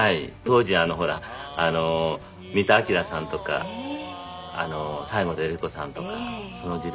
当時ほら三田明さんとか西郷輝彦さんとかその時代ですけど。